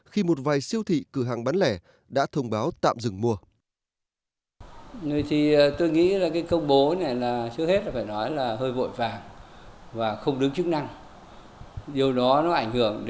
các nhà siêu thị cửa hàng bán lẻ đã thông báo tạm dừng mua